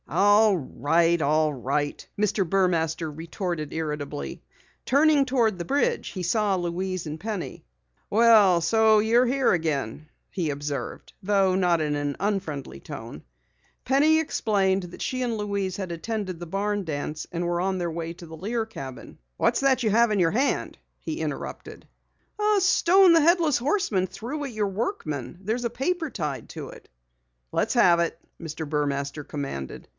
"All right, all right," Mr. Burmaster retorted irritably. Turning toward the bridge he saw Louise and Penny. "Well, so you're here again?" he observed, though not in an unfriendly tone. Penny explained that she and Louise had attended the barn dance and were on their way to the Lear cabin. "What's that you have in your hand?" he interrupted. "A stone that the Headless Horseman threw at your workmen. There's a paper tied to it." "Let's have it," Mr. Burmaster commanded.